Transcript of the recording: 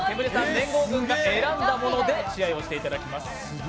連合軍が選んだもので試合をしていただきます。